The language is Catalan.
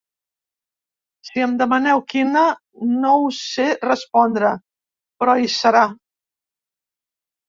Si em demaneu quina, no us sé respondre, però hi serà.